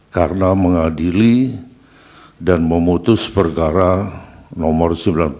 karena mengadili dan memutus perkara nomor sembilan puluh